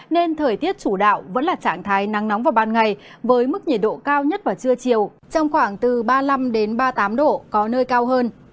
nên thời tiết chủ đạo vẫn là trạng thái nắng nóng vào ban ngày với mức nhiệt độ cao nhất vào trưa chiều trong khoảng từ ba mươi năm ba mươi tám độ có nơi cao hơn